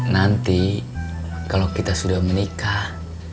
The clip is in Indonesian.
nanti kalau kita sudah menikah